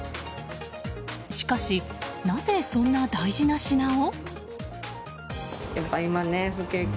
しかしなぜ、そんな大事な品を？